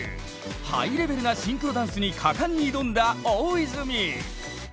ハイレベルなシンクロダンスに果敢に挑んだ大泉！